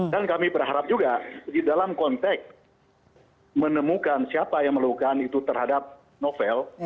kami berharap juga di dalam konteks menemukan siapa yang melakukan itu terhadap novel